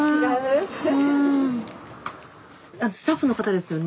スタッフの方ですよね？